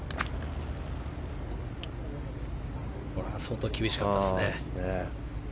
相当、厳しかったですね。